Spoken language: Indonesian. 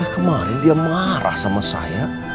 kemarin dia marah sama saya